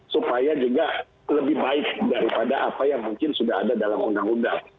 supaya juga lebih baik daripada apa yang mungkin sudah ada dalam undang undang